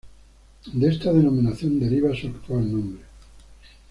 De esta denominación deriva su actual nombre.